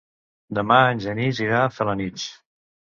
Demà en Genís irà a Felanitx.